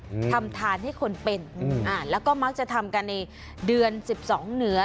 อืมทำทานให้คนเป็นอืมอ่าแล้วก็มักจะทำกันในเดือนสิบสองเหนือ